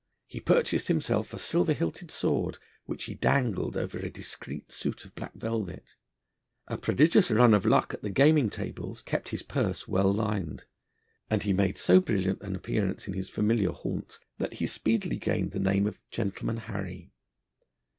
He purchased himself a silver hilted sword, which he dangled over a discreet suit of black velvet; a prodigious run of luck at the gaming tables kept his purse well lined; and he made so brilliant an appearance in his familiar haunts that he speedily gained the name of 'Gentleman Harry.'